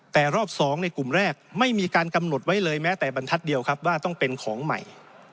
แต่รอบ๒ในกลุ่มแรกไม่มีการกำหนดไว้เลยแม้แต่บรรทัศน์เดียวครับว่าต้องเป็นของใหม่